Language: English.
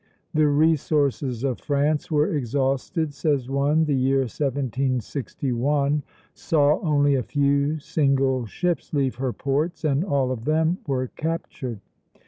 "The resources of France were exhausted," says one; "the year 1761 saw only a few single ships leave her ports, and all of them were captured.